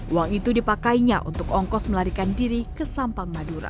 uang itu dipakainya untuk ongkos melarikan diri ke sampang madura